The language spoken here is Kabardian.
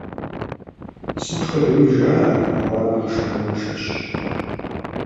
Сыт хуэдэуи жыӀэ, ауэ ар нэхъ шынагъуэншэщ.